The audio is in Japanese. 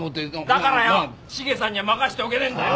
だからよシゲさんには任しておけねえんだよ。